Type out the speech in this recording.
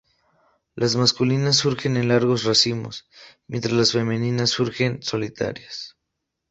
Las masculinas surgen en largos racimos, mientras las femeninas surgen solitarias.